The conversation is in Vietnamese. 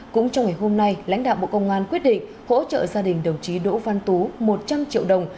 cũng trong ngày hôm nay lãnh đạo bộ công an quyết định hỗ trợ gia đình đồng chí đỗ văn tú một trăm linh triệu đồng